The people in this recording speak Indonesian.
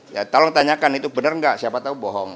ya tolong tanyakan itu benar nggak siapa tahu bohong